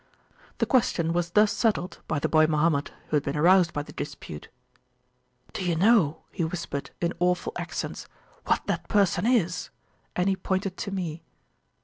The question was thus settled by the boy Mohammed who had been aroused by the dispute: Do you know, he whispered, in awful accents, what that person is? and he pointed to me.